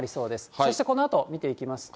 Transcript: そしてこのあと見ていきますと。